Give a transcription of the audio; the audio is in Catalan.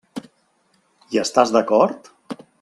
Hi estàs d'acord?